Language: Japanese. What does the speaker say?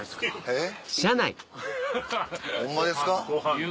えっ？